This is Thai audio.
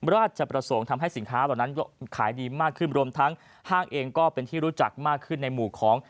ราชประสงค์ทำให้สินค้าเหล่านั้นขายดีมากขึ้น